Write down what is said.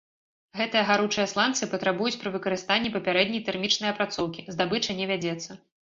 Гэтыя гаручыя сланцы патрабуюць пры выкарыстанні папярэдняй тэрмічнай апрацоўкі, здабыча не вядзецца.